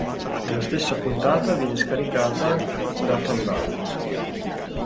Nella stessa puntata, viene scaricata da Fandango.